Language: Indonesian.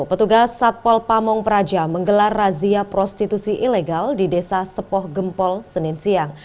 petugas satpol pamong praja menggelar razia prostitusi ilegal di desa sepoh gempol senin siang